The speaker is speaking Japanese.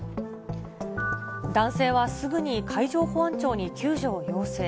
男性はすぐに海上保安庁に救助を要請。